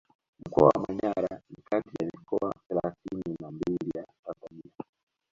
Mkoa wa Manyara ni kati ya mikoa thelathini na mbili ya Tanzania